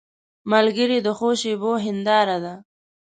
ملګری د ښو شېبو هنداره ده